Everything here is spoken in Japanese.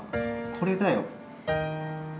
これだよ。